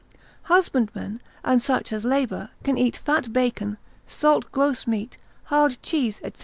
Husbandmen, and such as labour, can eat fat bacon, salt gross meat, hard cheese, &c.